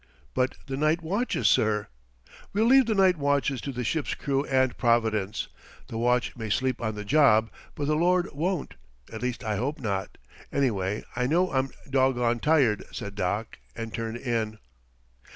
"But the night watches, sir?" "We'll leave the night watches to the ship's crew and Providence. The watch may sleep on the job, but the Lord won't at least I hope not. Anyway, I know I'm doggone tired," said Doc, and turned in.